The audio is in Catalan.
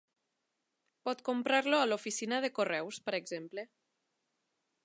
Pot comprar-lo a l'oficina de correus, per exemple.